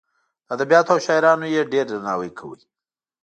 د ادبیاتو او شاعرانو یې ډېر درناوی کاوه.